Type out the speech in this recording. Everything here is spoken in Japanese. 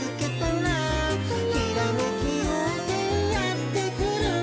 「ひらめきようせいやってくる」